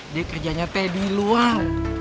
dih kerjanya teh di luar